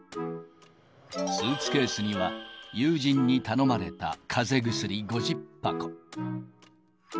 スーツケースには、友人に頼まれたかぜ薬５０箱。